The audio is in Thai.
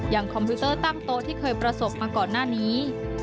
คอมพิวเตอร์ตั้งโต๊ะที่เคยประสบมาก่อนหน้านี้